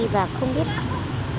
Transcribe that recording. và không biết làm gì